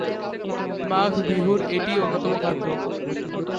মাঘ বিহুর এটিই অন্যতম খাদ্য।